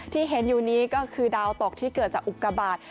ที่เห็นอยู่นี้ก็คือดาวตกที่เกิดจากอุกบาท